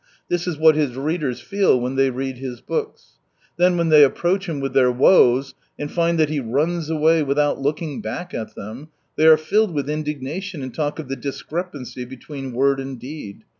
This is what his readers feel when they read his books. Then when they approach him with their woes, and find that he runs away without looking back at them, they are filled with indignation and talk of the dis crepancy between word and deed.